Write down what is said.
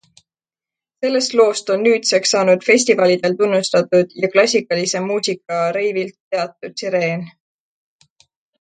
Sellest loost on nüüdseks saanud festivalidel tunnustatud ja klassikalise muusika reivilt teatud Sireen.